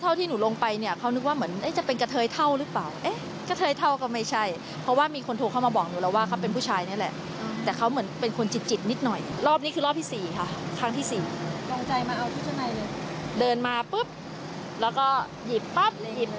เอาไปฟังเสียงเจ้าของร้านนะครับ